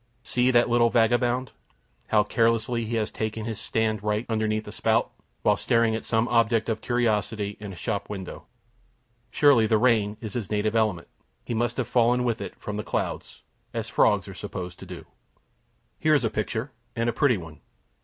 See that little vagabond, how carelessly he has taken his stand right underneath a spout, while staring at some object of curiosity in a shop window! Surely the rain is his native element; he must have fallen with it from the clouds, as frogs are supposed to do. Here is a picture, and a pretty one.